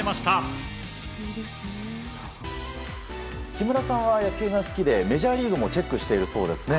木村さんは野球が好きでメジャーリーグもチェックしているそうですね。